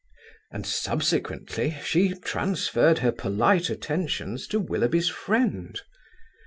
And subsequently she transferred her polite attentions to Willoughby's friend.